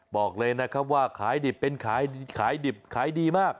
บอกเลยนะครับว่าขายดิบเป็นขายดิบขายดีมาก